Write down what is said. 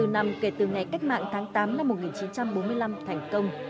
bốn mươi năm năm kể từ ngày cách mạng tháng tám năm một nghìn chín trăm bốn mươi năm thành công